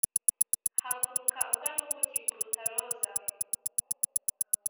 Haguruka ugana ubuki kuruta roza